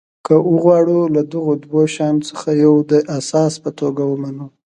که وغواړو له دغو دوو شیانو څخه یو د اساس په توګه ومنو.